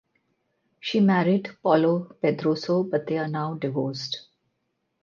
She married Paulo Pedroso but they are now divorced.